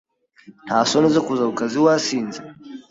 ntasoni zo kuza ku kazi wasinze